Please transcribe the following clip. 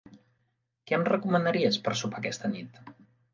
Què em recomanaries per sopar per aquesta nit?